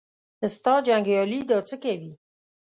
ستا جنګیالي دا څه کوي.